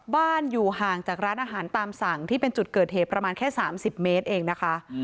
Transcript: อยู่ห่างจากร้านอาหารตามสั่งที่เป็นจุดเกิดเหตุประมาณแค่๓๐เมตรเองนะคะ